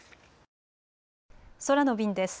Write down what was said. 空の便です。